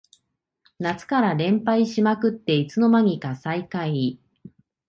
夏から連敗しまくっていつの間にか最下位